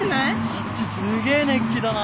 あっちすげえ熱気だな。